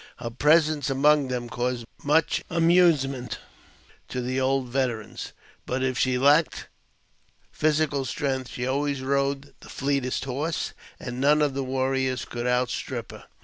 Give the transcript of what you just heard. Her presence among them caused much amusement to the old veterans ; but if she lacked physical strength, she always rode the fleetest horses, and none of the warriors could outstrip her.